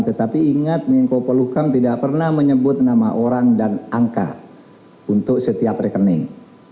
tetapi ingat menko pelukam tidak pernah menyebut nama orang dan angka untuk setiap rekening